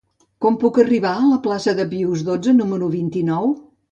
Com puc arribar a la plaça de Pius dotze número vint-i-nou?